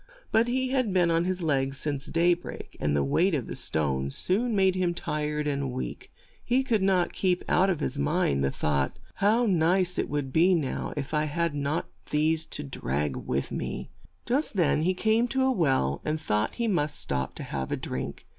But he had been on his legs since day break, and the weight of the stones soon made him tired and weak. He could not THE MOUSE, TIIK BIRD, AND THE SAUSAGE 133 keep out of his mind the thought, '' How nice it would be now if I had not these to drag with me." Just then he came to a well, and thought he must stop to have a drink.